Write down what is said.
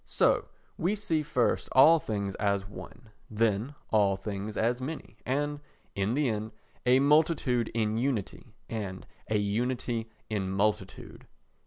So we see first all things as one, then all things as many and, in the end, a multitude in unity and a unity in multitude.